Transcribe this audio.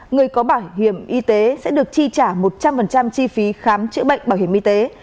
người có bảo hiểm y tế sẽ được chi trả một trăm linh chi phí khám chữa bệnh bảo hiểm y tế